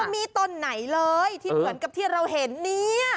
มีต้นไหนเลยเหมือนกับที่เราเห็นนี้